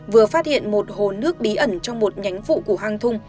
vừa phát hiện một hồ nước bí ẩn trong một nhánh phụ của hang thung